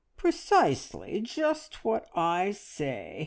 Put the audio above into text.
Precisely! Just what I say!